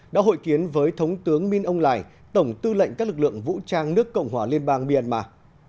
đã hội kiến với thống tướng minh ông lài tổng tư lệnh các lực lượng vũ trang nước cộng hòa liên bang myanmar